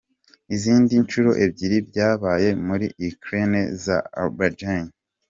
Izindi inshuro ebyiri byabaye muri Ukraine n’Azerbaijan.